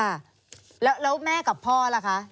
ค่ะแล้วแม่กับพ่อล่ะคะ